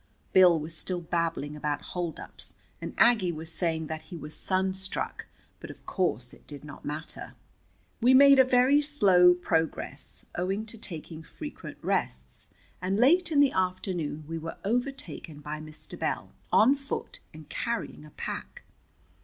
Bill was still babbling about holdups, and Aggie was saying that he was sunstruck, but of course it did not matter. We made very slow progress, owing to taking frequent rests, and late in the afternoon we were overtaken by Mr. Bell, on foot and carrying a pack.